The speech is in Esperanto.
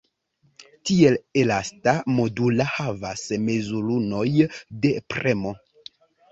Tiel elasta modula havas mezurunuoj de premo.